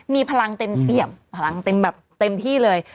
มีพลังเต็มเปี่ยมพลังเต็มแบบเต็มที่เลย